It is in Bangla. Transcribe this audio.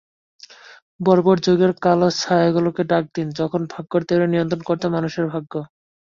বর্বর যুগের কালো ছায়াগুলোকে ডাক দিন, যখন ভাগ্যের দেবীরা নিয়ন্ত্রণ করত মানুষের ভাগ্য।